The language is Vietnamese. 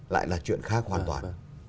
lại là chuyện khác hoàn toàn